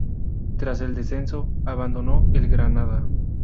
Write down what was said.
Tras el descenso abandonó el Granada.